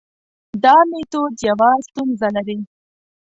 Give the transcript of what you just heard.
دا میتود یوه ستونزه لري.